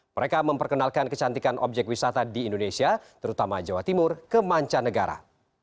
mereka memperkenalkan kecantikan objek wisata di indonesia terutama jawa timur ke mancanegara